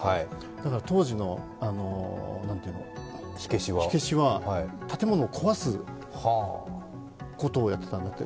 だから当時の火消しは、建物を壊すことをやってたんだって。